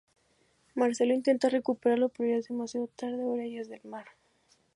Marcelo intenta recuperarla pero ya es demasiado tarde; ahora ella es del mar.